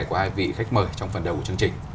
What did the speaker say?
của hai vị khách mời trong phần đầu của chương trình